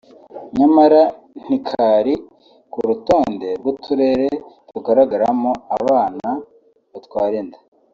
nyamara ntikari ku rutonde rw’uturere tugaragaramo abana batwara inda